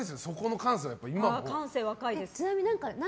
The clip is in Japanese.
感性は若いです。